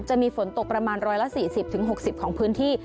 จะมีฝนตกประมาณ๑๔๐๖๐ของพื้นที่